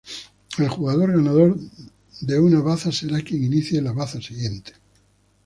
El jugador ganador de una Baza será quien inicie la Baza siguiente.